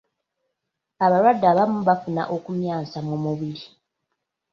Abalwadde abamu bafuna okumyansa mu mubiri.